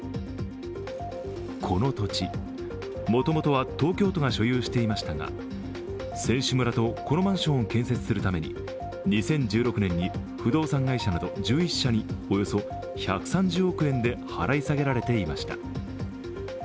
この土地、もともとは東京都が所有していましたが、選手村とこのマンションを建設するために２０１６年に不動産会社など１１社におよそ１３０億円で払い下げられていました。